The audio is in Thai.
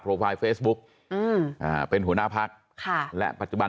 โปรไฟล์เฟสบุ๊คอืมอ่าเป็นหัวหน้าภาคค่ะและปัจจุบัน